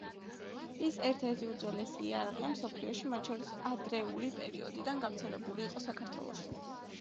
ის, ერთ-ერთი უძველესი იარაღია მსოფლიოში, მათ შორის ადრეული პერიოდიდან გავრცელებული იყო საქართველოშიც.